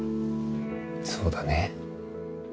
そうだね。